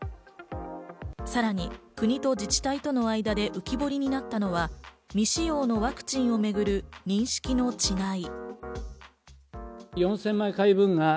さらに国と自治体との間で浮き彫りになったのが、未使用のワクチンをめぐる認識の違い。